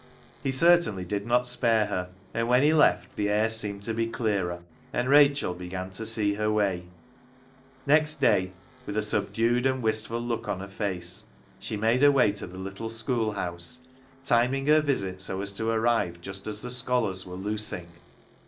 He certainly did not spare her, and when he left, the air seemed to be clearer, and Rachel began to see her way. Next day, with a subdued and wistful look on her face, she made her way to the little schoolhouse, timing her visit so as to arrive just as the scholars were '* loosing."